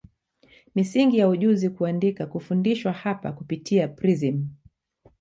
Misingi ya ujuzi kuandika kufundishwa hapa kupitia prism